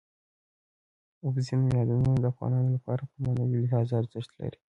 اوبزین معدنونه د افغانانو لپاره په معنوي لحاظ ارزښت لري.